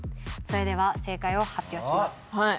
それでは正解を発表します。